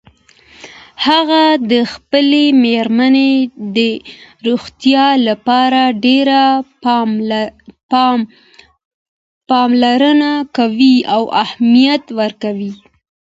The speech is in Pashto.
هغه د خپلې میرمن د روغتیا لپاره ډېره پاملرنه کوي او اهمیت ورکوي